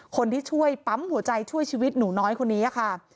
คนที่ช่วยปั๊มหัวใจช่วยชีวิตหนูน้อยคนนี้ค่ะ